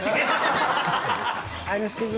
愛之助君